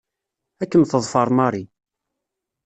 Ad kem-teḍfer Mary.